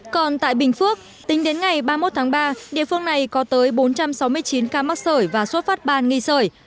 còn tại bình phước tính đến ngày ba mươi một tháng ba địa phương này có tới bốn trăm sáu mươi chín ca mắc sởi và xuất phát ban nghi sởi